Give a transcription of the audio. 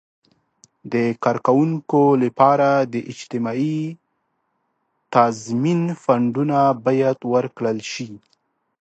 د کارکوونکو لپاره د اجتماعي تضمین فنډونه باید ورکړل شي.